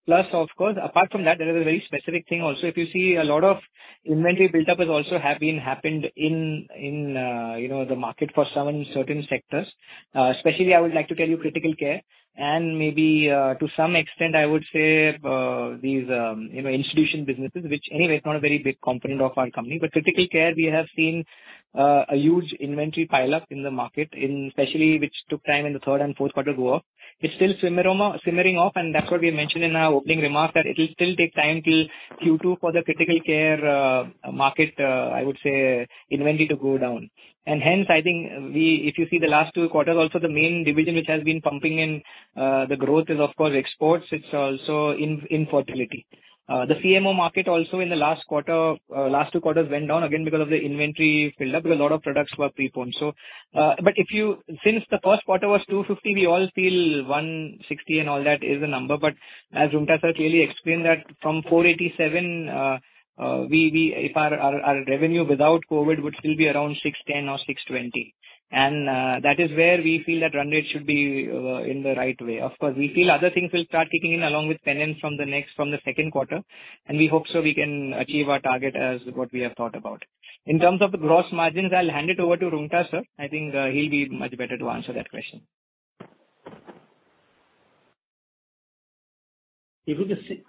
Plus, of course, apart from that, there is a very specific thing also. If you see a lot of inventory built up has also have been happened in you know the market for certain sectors. Especially I would like to tell you critical care and maybe to some extent I would say these you know institution businesses, which anyway is not a very big component of our company. Critical care we have seen a huge inventory pile up in the market especially which took time in the third and fourth quarter go up. It's still simmering off, and that's what we mentioned in our opening remarks, that it'll still take time till Q2 for the critical care market I would say inventory to go down. Hence, I think we... If you see the last two quarters also, the main division which has been pumping in the growth is of course exports. It's also in fertility. The CMO market also in the last quarter, last two quarters went down again because of the inventory filled up because a lot of products were preponed. Since the first quarter was 250 crore, we all feel 160 crore and all that is the number. As Roonghta sir clearly explained that from 487 crore, we. If our revenue without COVID would still be around 610 crore or 620 crore. That is where we feel that run rate should be in the right way. Of course, we feel other things will start kicking in along with Penem from the second quarter, and we hope so we can achieve our target as what we have thought about. In terms of the gross margins, I'll hand it over to Roonghta sir. I think, he'll be much better to answer that question. If you can see,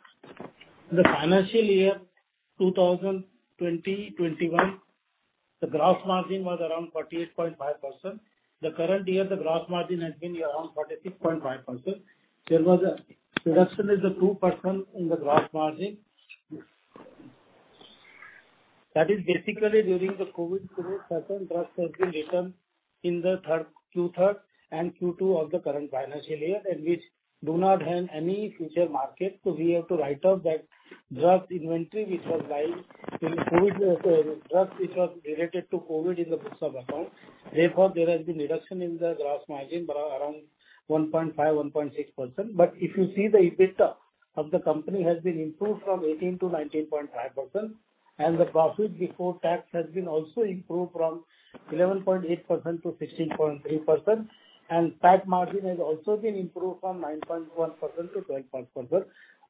the financial year 2020-2021, the gross margin was around 48.5%. The current year, the gross margin has been around 46.5%. There was a reduction of 2% in the gross margin. That is basically during the COVID period, certain drugs has been written off in Q3 and Q2 of the current financial year, and which do not have any future market. We have to write off that drug inventory which was lying during COVID. Drugs which was related to COVID in the books of account. Therefore, there has been reduction in the gross margin around 1.5%-1.6%. If you see the EBITDA of the company has been improved from 18%-19.5%, and the profit before tax has been also improved from 11.8% to 16.3%, and tax margin has also been improved from 9.1% to 12%.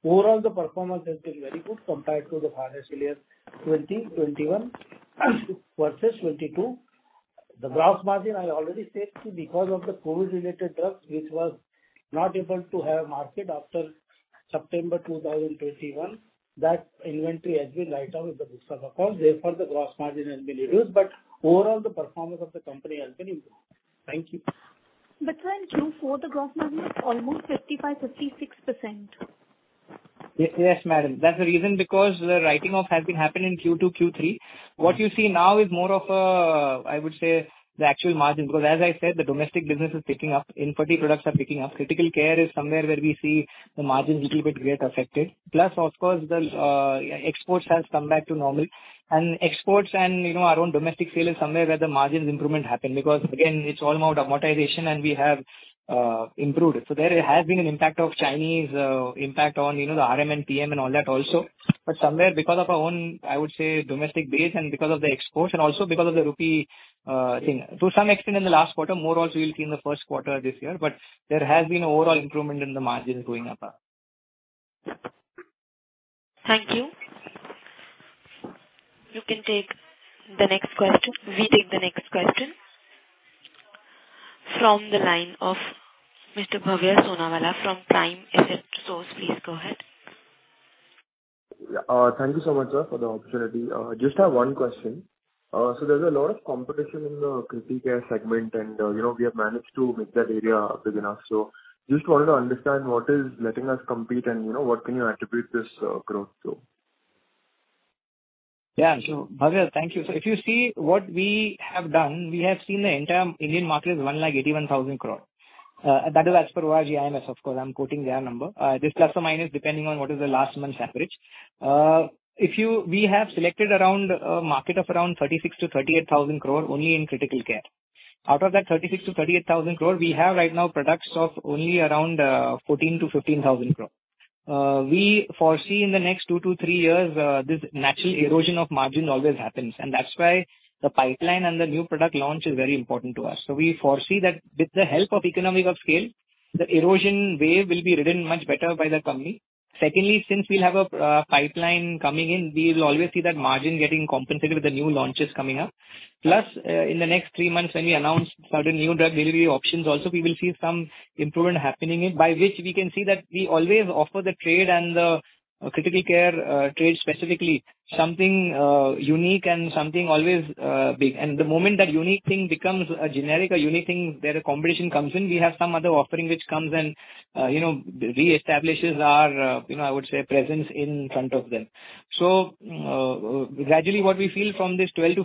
Overall, the performance has been very good compared to the financial year 2021 versus 2022. The gross margin I already said because of the COVID-related drugs which was not able to have market after September 2021, that inventory has been write off in the books of accounts, therefore the gross margin has been reduced. Overall the performance of the company has been improved. Thank you. Sir, in Q4 the gross margin is almost 55%-56%. Yes, madam. That's the reason because the writing off has been happening in Q2, Q3. What you see now is more of a, I would say, the actual margin. As I said, the domestic business is picking up, infertility products are picking up. Critical care is somewhere where we see the margins little bit get affected. The exports has come back to normal. Exports and, you know, our own domestic sale is somewhere where the margins improvement happen because again, it's all about amortization and we have improved. There has been an impact of Chinese import on, you know, the RM and PM and all that also. Somewhere because of our own, I would say, domestic base and because of the exposure also because of the rupee thing. To some extent in the last quarter, more also we'll see in the first quarter this year. There has been overall improvement in the margins going up. Thank you. You can take the next question. We take the next question from the line of Mr. Bhavya Sonawala from Prime Asset Source. Please go ahead. Thank you so much, sir, for the opportunity. Just have one question. There's a lot of competition in the critical care segment and, you know, we have managed to make that area big enough. Just wanted to understand what is letting us compete and, you know, what can you attribute this growth to? Yeah. Bhavya, thank you. If you see what we have done, we have seen the entire Indian market is 1,81,000 crore. That is as per our IQVIA IMS of course. I'm quoting their number. This plus or minus depending on what is the last month's average. We have selected around market of around 36,000 crore-38,000 crore only in critical care. Out of that 36,000 crore-38,000 crore, we have right now products of only around 14,000 crore-15,000 crore. We foresee in the next two to three years, this natural erosion of margin always happens. That's why the pipeline and the new product launch is very important to us. We foresee that with the help of economies of scale, the erosion wave will be ridden much better by the company. Secondly, since we'll have a pipeline coming in, we will always see that margin getting compensated with the new launches coming up. Plus, in the next three months when we announce certain new drug delivery options also, we will see some improvement happening. By which we can see that we always offer the trade and the critical care trade specifically, something unique and something always big. The moment that unique thing becomes a generic or unique thing, where a competition comes in, we have some other offering which comes and, you know, reestablishes our, you know, I would say, presence in front of them. Gradually what we feel from this 12,000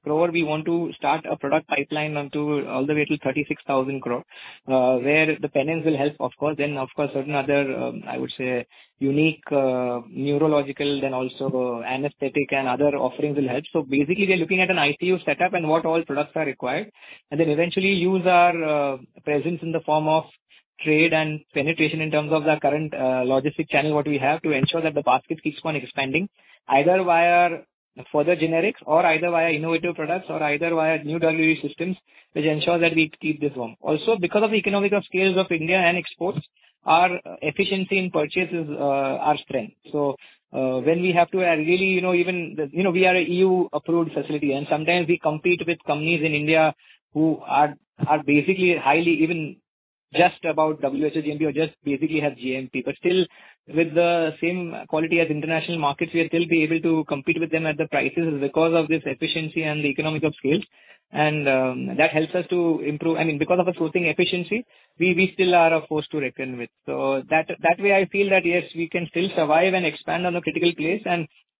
crore-14,000 crore, we want to start a product pipeline on to all the way till 36,000 crore, where the penems will help of course, then of course certain other, I would say unique neurological then also anesthetic and other offerings will help. Basically we are looking at an ICU setup and what all products are required, and then eventually use our presence in the form of trade and penetration in terms of the current logistic channel what we have, to ensure that the basket keeps on expanding, either via further generics or either via innovative products or either via new delivery systems, which ensure that we keep this warm. Also, because of economies of scale of India and exports, our efficiency in purchase is our strength. When we have to really, we are a EU-approved facility, and sometimes we compete with companies in India who are basically highly even just about WHO GMP or just basically have GMP. Still with the same quality as international markets, we will still be able to compete with them at the prices because of this efficiency and the economies of scale. That helps us to improve. Because of the sourcing efficiency, we still are a force to reckon with. That way I feel that yes, we can still survive and expand in the critical space.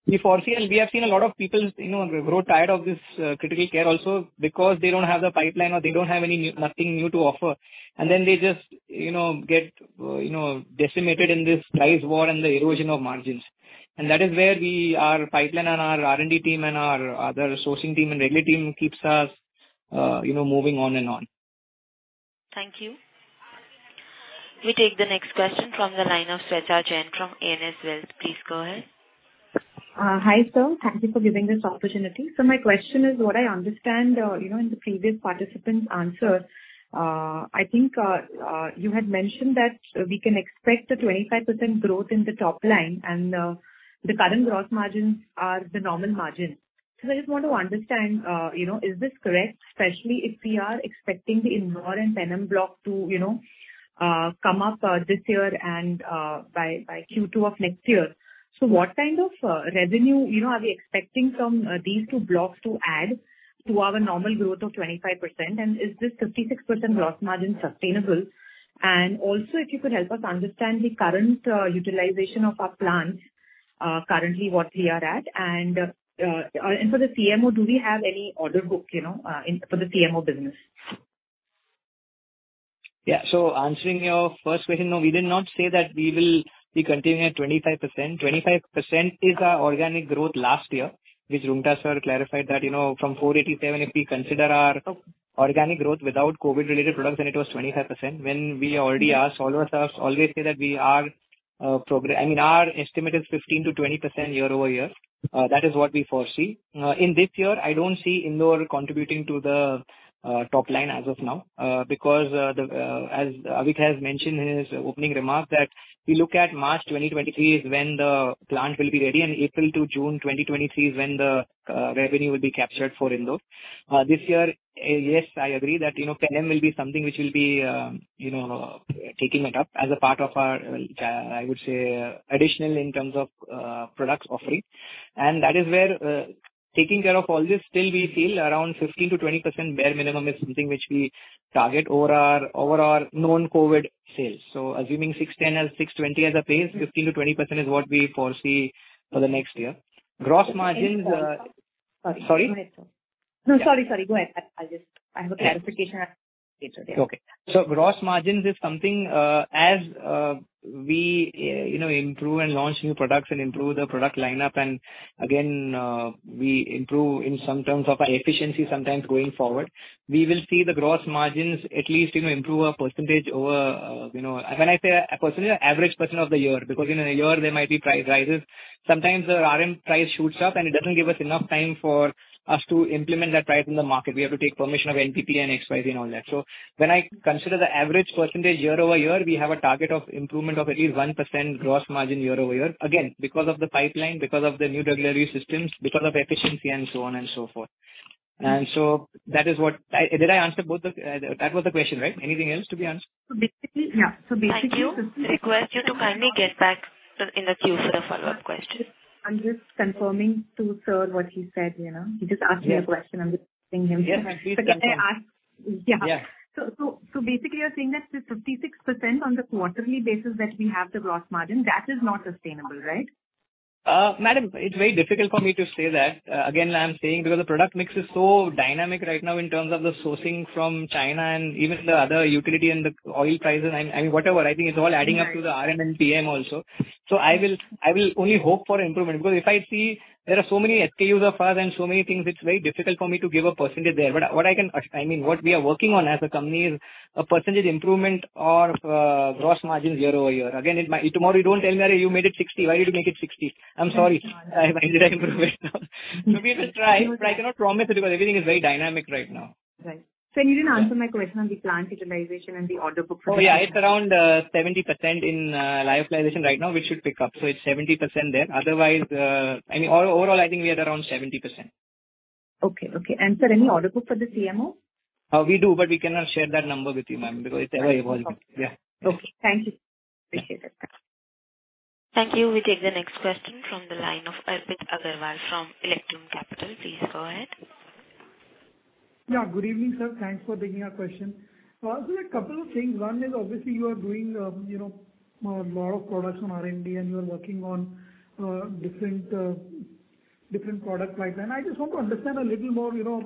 We foresee and we have seen a lot of people grow tired of this critical care also because they don't have the pipeline or they don't have nothing new to offer. They just, you know, get, you know, decimated in this price war and the erosion of margins. That is where we, our pipeline and our R&D team and our other sourcing team and reg team keeps us, you know, moving on and on. Thank you. We take the next question from the line of Sweta Jain from ANS Wealth. Please go ahead. Hi sir. Thank you for giving this opportunity. My question is, what I understand, you know, in the previous participant's answer, I think, you had mentioned that we can expect a 25% growth in the top line and, the current gross margins are the normal margins. I just want to understand, you know, is this correct? Especially if we are expecting the Indore and Penem block to, you know, come up, this year and, by Q2 of next year. What kind of, revenue, you know, are we expecting from, these two blocks to add to our normal growth of 25%? And is this 56% gross margin sustainable? And also if you could help us understand the current, utilization of our plants, currently what we are at. For the CMO, do we have any order booked, you know, for the CMO business? Yeah. Answering your first question, no, we did not say that we will be continuing at 25%. 25% is our organic growth last year, which Roonghta sir clarified that, you know, from 487 crore, if we consider our organic growth without COVID-related products, then it was 25%. When we already asked all of us always say that we are, I mean, our estimate is 15%-20% year-over-year. That is what we foresee. In this year, I don't see Indore contributing to the top line as of now. Because, as Avik has mentioned in his opening remarks that we look at March 2023 is when the plant will be ready, and April to June 2023 is when the revenue will be captured for Indore. This year, yes, I agree that, you know, Penem will be something which will be, you know, taking it up as a part of our, I would say additional in terms of, products offering. That is where, taking care of all this, still we feel around 15%-20% bare minimum is something which we target over our non-COVID sales. Assuming 610 crore or 620 crore as a base, 15%-20% is what we foresee for the next year. Gross margins, Sorry. Sorry. No, sorry. Go ahead. I have a clarification. Gross margins is something, as we, you know, improve and launch new products and improve the product lineup, and again, we improve in some terms of our efficiency sometimes going forward. We will see the gross margins at least, you know, improve a percentage over, you know. When I say a percentage, average percentage of the year. Because in a year there might be price rises. Sometimes the RM price shoots up and it doesn't give us enough time for us to implement that price in the market. We have to take permission of NPPA and XYZ and all that. When I consider the average percentage year-over-year, we have a target of improvement of at least 1% gross margin year-over-year. Again, because of the pipeline, because of the new regulatory systems, because of efficiency and so on and so forth. That is what. Did I answer both the? That was the question, right? Anything else to be answered? Basically, yeah. Thank you. Request you to kindly get back in the queue for the follow-up question. I'm just confirming to Sir what he said, you know. He just asked me. Yes. A question. I'm just asking him. Yes. Please confirm. Can I ask? Yeah. Yeah. Basically you're saying that the 56% on the quarterly basis that we have the gross margin, that is not sustainable, right? Madam, it's very difficult for me to say that. Again, I'm saying because the product mix is so dynamic right now in terms of the sourcing from China and even the other utility and the oil prices and whatever. I think it's all adding up to the RM and PM also. I will only hope for improvement. If I see there are so many SKUs of ours and so many things, it's very difficult for me to give a percentage there. What I can, I mean, what we are working on as a company is a percentage improvement of gross margins year-over-year. Again, it might. Tomorrow you don't tell me that you made it 60. Why did you make it 60? I'm sorry. I didn't improve it. No. We will try, but I cannot promise it because everything is very dynamic right now. Right. Sir, you didn't answer my question on the plant utilization and the order book for next year. Oh, yeah. It's around 70% in lyophilization right now, which should pick up. It's 70% there. Otherwise, I mean, overall, I think we are around 70%. Okay. Sir, any order book for the CMO? We do, but we cannot share that number with you, ma'am, because it's ever evolving. Okay. Yeah. Okay. Thank you. Appreciate it. Thank you. We take the next question from the line of Arpit Agrawal from Electrum Capital. Please go ahead. Yeah, good evening, sir. Thanks for taking our question. Actually a couple of things. One is obviously you are doing, you know, a lot of products on R&D, and you are working on different product pipeline. I just want to understand a little more, you know,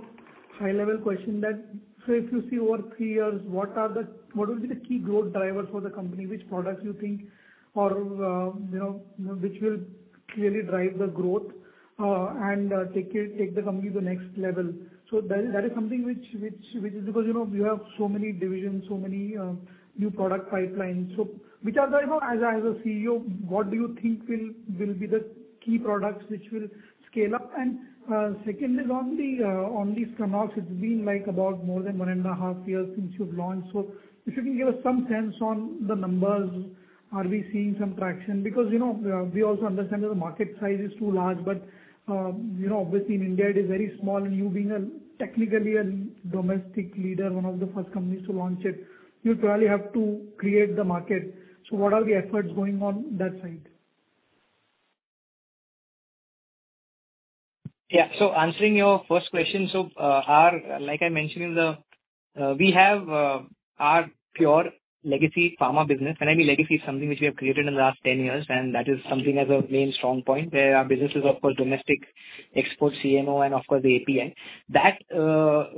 high-level question that, say, if you see over three years, what will be the key growth drivers for the company? Which products you think or, you know, which will clearly drive the growth, and take the company to the next level? That is something which is because, you know, you have so many divisions, so many new product pipelines. Which are the you know, as a CEO, what do you think will be the key products which will scale up? Secondly, on the Stunox's, it's been like about more than 1.5 years since you've launched. So if you can give us some sense on the numbers. Are we seeing some traction? Because, you know, we also understand that the market size is too large, but, you know, obviously in India it is very small. You being technically a domestic leader, one of the first companies to launch it, you'll probably have to create the market. So what are the efforts going on that side? Yeah. Answering your first question, like I mentioned, we have our legacy pharma business. When I mean legacy, it's something which we have created in the last 10 years, and that is something as a main strong point. Our business is, of course, domestic, export, CMO and, of course, the API. That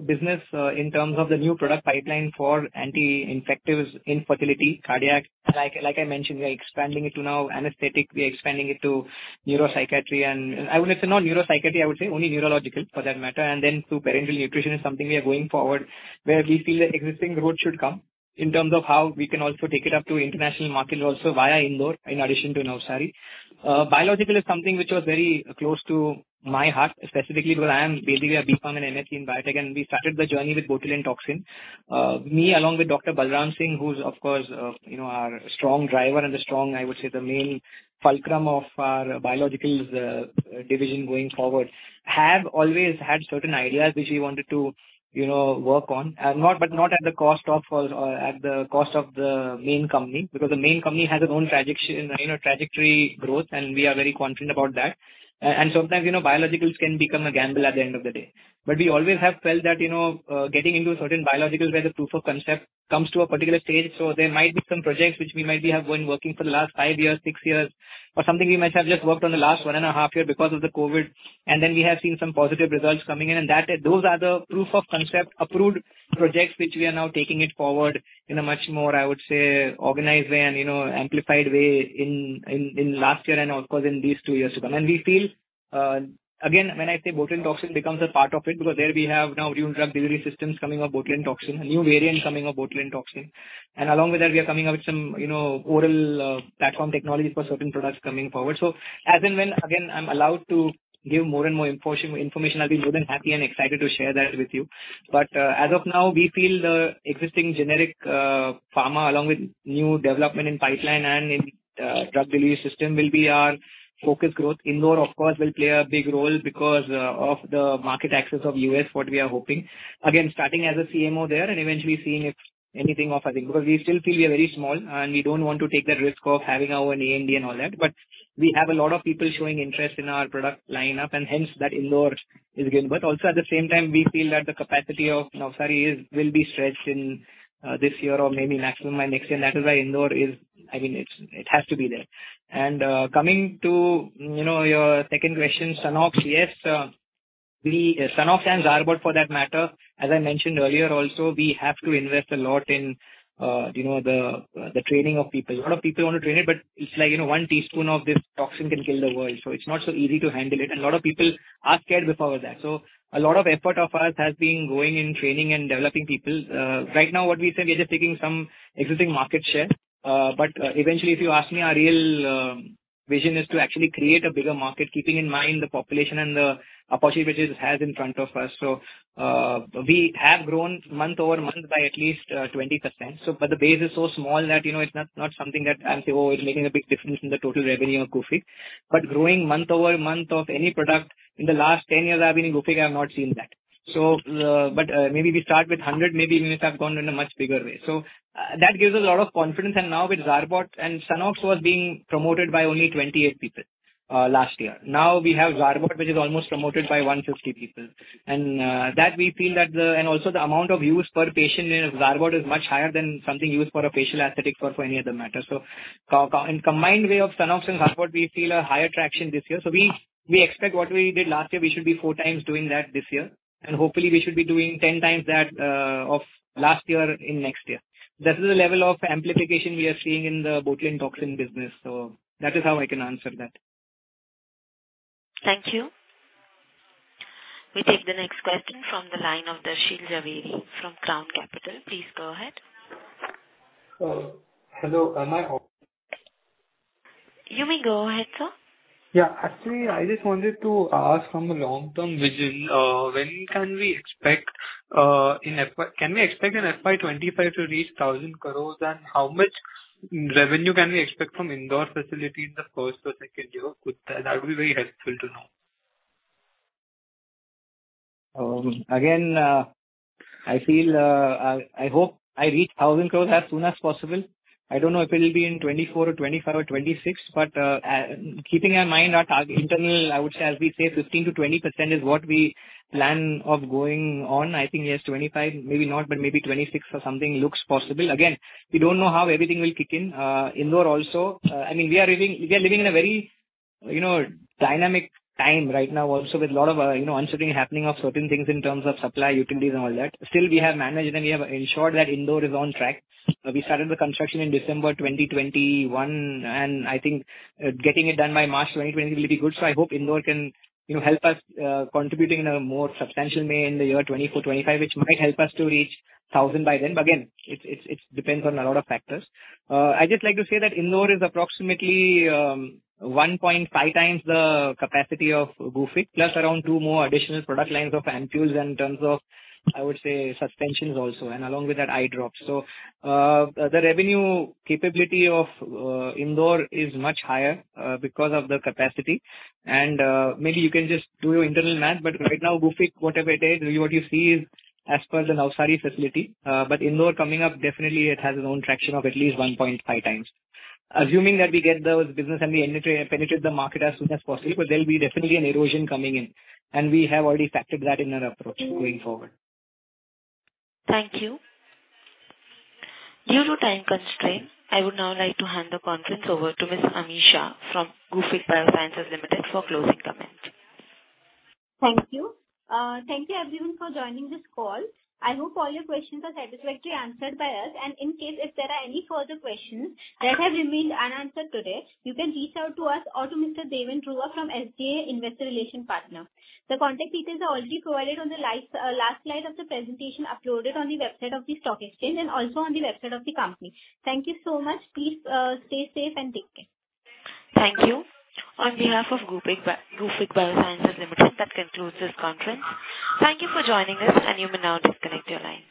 business, in terms of the new product pipeline for anti-infectives, infertility, cardiac. Like I mentioned, we are expanding it to anesthetic now. We are expanding it to neuropsychiatry and I would say not neuropsychiatry, I would say only neurological for that matter. Then through parenteral nutrition is something we are going forward, where we feel the existing R&D should come in terms of how we can also take it up to international market also via Indore in addition to Navsari. Biologics is something which was very close to my heart specifically because I am basically a B.Pharm and MSc in biotech, and we started the journey with botulinum toxin. Me along with Dr. Balram Singh, who's of course, you know, our strong driver and the strong, I would say, the main fulcrum of our biologics division going forward, have always had certain ideas which he wanted to, you know, work on. But not at the cost of the main company. Because the main company has its own trajectory growth, and we are very confident about that. Sometimes, you know, biologics can become a gamble at the end of the day. We always have felt that, you know, getting into certain biologics where the proof of concept comes to a particular stage. There might be some projects which we might have been working for the last five years, six years, or something we might have just worked on the last one and a half year because of the COVID, and then we have seen some positive results coming in. Those are the proof of concept approved projects which we are now taking it forward in a much more, I would say, organized way and amplified way in last year and of course in these two years to come. We feel again, when I say botulinum toxin becomes a part of it, because there we have now new drug delivery systems coming up, botulinum toxin, a new variant coming up, botulinum toxin. Along with that we are coming up with some oral platform technologies for certain products coming forward. As and when, again, I'm allowed to give more and more information, I'll be more than happy and excited to share that with you. As of now, we feel the existing generic pharma along with new development in pipeline and in drug delivery system will be our focus growth. Indore of course will play a big role because of the market access of U.S., what we are hoping. Again, starting as a CMO there and eventually seeing if anything of our because we still feel we are very small and we don't want to take that risk of having our own ANDA and all that. We have a lot of people showing interest in our product line up and hence that Indore is good. Also at the same time, we feel that the capacity of Navsari will be stretched in this year or maybe maximum by next year. That is why Indore, I mean, it has to be there. Coming to, you know, your second question, Stunox. Yes, we Stunox and Zarbot for that matter, as I mentioned earlier also, we have to invest a lot in, you know, the training of people. A lot of people want to train it, but it's like, you know, one teaspoon of this toxin can kill the world. So it's not so easy to handle it. And a lot of people are scared before that. So a lot of effort of ours has been going in training and developing people. Right now, what we said, we are just taking some existing market share. Eventually, if you ask me, our real vision is to actually create a bigger market, keeping in mind the population and the opportunity which it has in front of us. We have grown month-over-month by at least 20%. The base is so small that, you know, it's not something that I would say, "Oh, it's making a big difference in the total revenue of Gufic." Growing month-over-month of any product in the last 10 years I've been in Gufic, I've not seen that. Maybe we start with 100, maybe we would have gone in a much bigger way. That gives us a lot of confidence. Now with Zarbot and Stunox was being promoted by only 28 people last year. Now we have Zarbot, which is almost promoted by 150 people. We feel that the amount of use per patient, you know, Zarbot is much higher than something used for a facial aesthetic or for any other matter. Combined way of Stunox and Zarbot, we feel a higher traction this year. We expect what we did last year, we should be 4x doing that this year, and hopefully we should be doing 10x that of last year in next year. That is the level of amplification we are seeing in the botulinum toxin business. That is how I can answer that. Thank you. We take the next question from the line of Darshil Jhaveri from Crown Capital. Please go ahead. Hello. Am I on? You may go ahead, sir. Actually, I just wanted to ask from a long-term vision, when can we expect in FY 2025 to reach 1,000 crore? How much revenue can we expect from Indore facility in the first or second year? That would be very helpful to know. Again, I feel I hope I reach 1,000 crore as soon as possible. I don't know if it'll be in 2024 or 2025 or 2026, but keeping in mind our target internal, I would say, as we say, 15%-20% is what we plan of going on. I think, yes, 2025, maybe not, but maybe 2026 or something looks possible. Again, we don't know how everything will kick in. Indore also, I mean, we are living in a very, you know, dynamic time right now also with a lot of, you know, uncertain happening of certain things in terms of supply, utilities and all that. Still, we have managed and we have ensured that Indore is on track. We started the construction in December 2021, and I think getting it done by March 2023 will be good. I hope Indore can, you know, help us contributing in a more substantial way in the year 2024, 2025, which might help us to reach thousand by then. It depends on a lot of factors. I'd just like to say that Indore is approximately 1.5x the capacity of Gufic, plus around two more additional product lines of ampoules in terms of, I would say, suspensions also, and along with that, eye drops. The revenue capability of Indore is much higher because of the capacity. Maybe you can just do your internal math, but right now Gufic, whatever it is, what you see is as per the Navsari facility. Indore coming up, definitely it has its own traction of at least 1.5x. Assuming that we get those business and we penetrate the market as soon as possible, there'll be definitely an erosion coming in, and we have already factored that in our approach going forward. Thank you. Due to time constraint, I would now like to hand the conference over to Miss Ami Shah from Gufic Biosciences Limited for closing comments. Thank you. Thank you everyone for joining this call. I hope all your questions are satisfactorily answered by us. In case if there are any further questions that have remained unanswered today, you can reach out to us or to Mr. Devan Trivedi from SGA Investor Relations partner. The contact details are already provided on the last slide of the presentation uploaded on the website of the stock exchange and also on the website of the company. Thank you so much. Please, stay safe and take care. Thank you. On behalf of Gufic Biosciences Limited, that concludes this conference. Thank you for joining us, and you may now disconnect your line.